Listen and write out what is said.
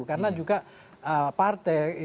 karena juga partai